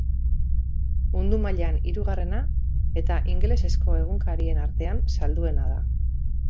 Mundu mailan hirugarrena eta ingelesezko egunkarien artean salduena da.